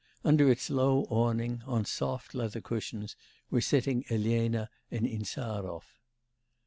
Under its low awning, on soft leather cushions, were sitting Elena and Insarov.